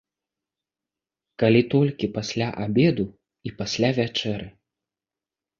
Калі толькі пасля абеду і пасля вячэры.